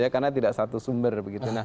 karena tidak satu sumber